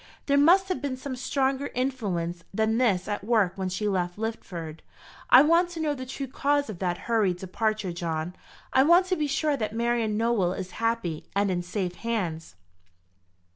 There must have been some stronger influence than this at work when she left Lidford. I want to know the true cause of that hurried departure, John. I want to be sure that Marian Nowell is happy, and in safe hands."